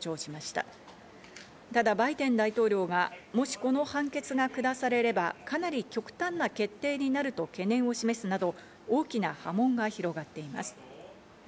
ただバイデン大統領がもし、この判決が下されればかなり極端な決定になると懸念を示すなど、大きな波紋が広がっています。